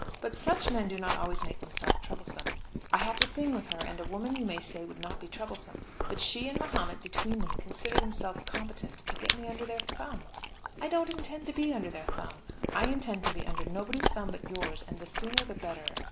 But such men do not always make themselves troublesome. I have to sing with her, and a woman you may say would not be troublesome, but she and Mahomet between them consider themselves competent to get me under their thumb. I don't intend to be under their thumb. I intend to be under nobody's thumb but yours; and the sooner the better.